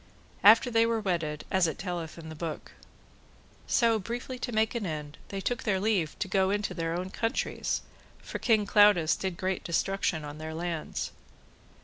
After they were wedded, as it telleth in the book. So, briefly to make an end, they took their leave to go into their own countries, for King Claudas did great destruction on their lands.